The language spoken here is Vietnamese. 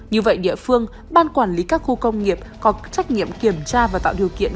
như vậy địa phương ban quản lý các khu công nghiệp có trách nhiệm kiểm tra và tạo điều kiện